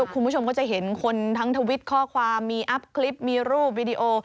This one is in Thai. คุณผู้ชมก็จะเห็นคนทั้งทวิตข้อความมีอัพคลิปมีรูปวิดีโอ